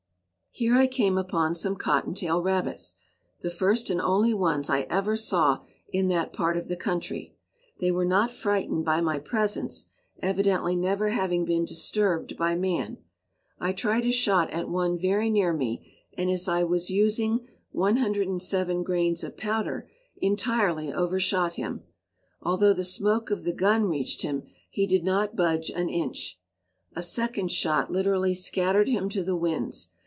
Here I came upon some cottontail rabbits, the first and only ones I ever saw in that part of the country. They were not frightened by my presence, evidently never having been disturbed by man. I tried a shot at one very near me, and as I was using 107 grains of powder, entirely overshot him. Although the smoke of the gun reached him, he did not budge an inch; a second shot literally scattered him to the winds.